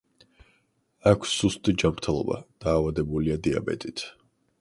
აქვს სუსტი ჯანმრთელობა, დაავადებულია დიაბეტით.